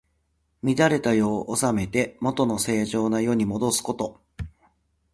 乱れた世を治めて、もとの正常な世にもどすこと。